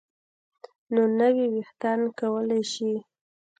نو نوي ویښتان کولی شي